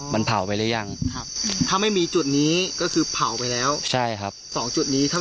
ไม่เจอเพราะว่าผู้ร้ายเขานำการเผาทิ้งไปแล้วตั้งแต่เมื่อคืนครับ